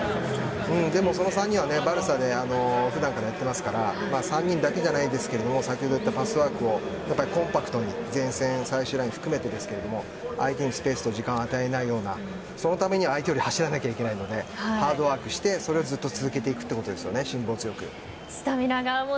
でも、その３人はバルサで普段からやってますから３人だけじゃないですけど先ほど言ったパスワークをやっぱりコンパクトに前線、最終ライン含めてですけど相手にスペースと時間を与えないようなそのためには相手より走らなきゃいけないのでハードワークしてそれをずっと続けていくということですよね、辛抱強く。